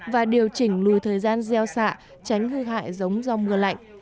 và điều chỉnh lùi thời gian gieo xạ tránh hư hại giống do mưa lạnh